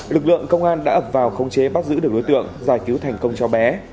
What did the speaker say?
lực lượng công an đã ập vào khống chế bắt giữ được đối tượng giải cứu thành công cháu bé